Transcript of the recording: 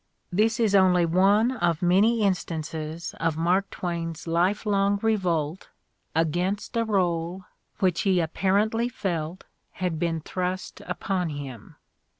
This is only one of many instances of Mark Twain's lifelong revolt against a role which he apparently felt had been thrust upon him.